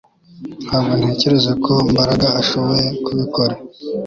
Ntabwo ntekereza ko Mbaraga ashoboye kubikora